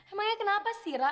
emangnya kenapa sih ra